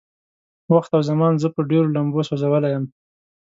وخت او زمان زه په ډېرو لمبو سوځولی يم.